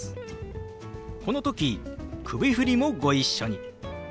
この時首振りもご一緒に。